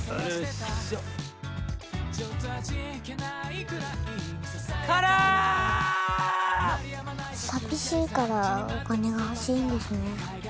寂しいからお金が欲しいんですね。